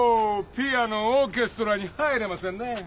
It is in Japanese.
ピアノオーケストラに入れませんね。